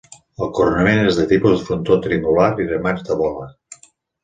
El coronament és de tipus frontó triangular i remats de bola.